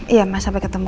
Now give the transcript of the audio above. iya mas sampai ketemu